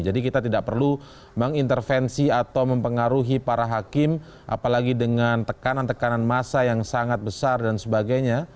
jadi kita tidak perlu mengintervensi atau mempengaruhi para hakim apalagi dengan tekanan tekanan masa yang sangat besar dan sebagainya